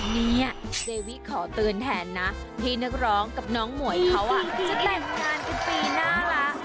เนี่ยเจวิขอเตือนแทนนะที่นักร้องกับน้องหมวยเขาจะแต่งงานกันปีหน้าแล้ว